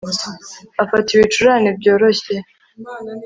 Afata ibicurane byoroshye